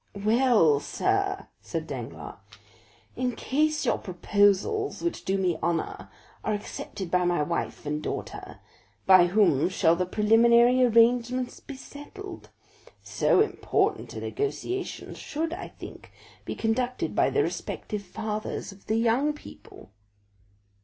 "Well, sir," said Danglars, "in case your proposals, which do me honor, are accepted by my wife and daughter, by whom shall the preliminary arrangements be settled? So important a negotiation should, I think, be conducted by the respective fathers of the young people."